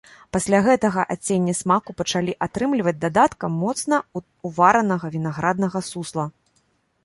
Пасля гэтага адценне смаку пачалі атрымліваць дадаткам моцна уваранага вінаграднага сусла.